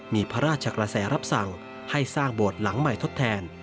มีพระราชกระแสรับสั่งให้สร้างโบสถ์หลังใหม่ทดแทน